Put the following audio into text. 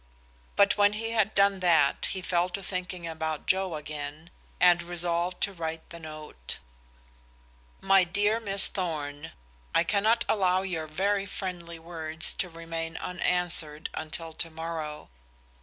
But when he had done that, he fell to thinking about Joe again, and resolved to write the note. "MY DEAR MISS THORN, I cannot allow your very friendly words to remain unanswered until tomorrow.